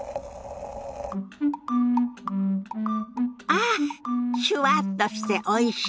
ああっシュワッとしておいし。